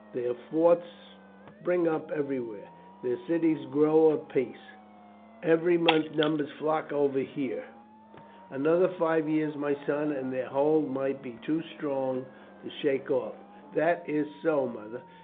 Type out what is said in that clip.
Their forts spring up everywhere, their cities grow apace; every month numbers flock over here. Another five years, my son, and their hold might be too strong to shake off." "That is so, mother.